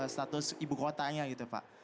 status ibu kotanya